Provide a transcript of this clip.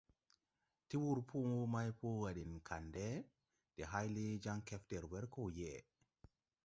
Ti wur pɔ maypo à ɗɛŋ kandɛ de hayle jaŋ kɛfder wer koo yeʼe.